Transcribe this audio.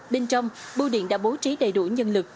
bên trong bu điện đã bố trí đầy đủ nhân lực